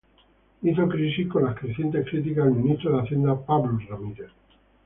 Hizo crisis por las crecientes críticas al ministro de Hacienda, Pablo Ramírez.